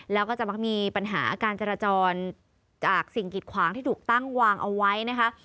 แล้วก็จะมักมีปัญหาการจราจรจากสิ่งกิดขวางที่ถูกตั้งวางเอาไว้นะคะ